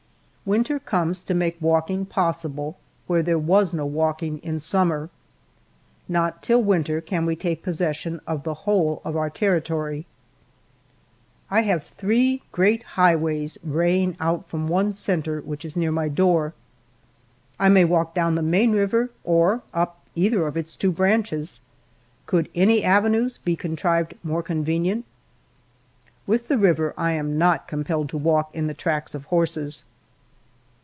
Winter comes to make walking possible where there was no walking in summer. Not till win ter can we take possession of the whole of our territory. I have three great highways raying out from one centre which is near my door. I may walk down the main river, or up either of its two branches. Could any avenues be con * trived more convenient ? With the river I am not compelled to walk in the tracks of horses.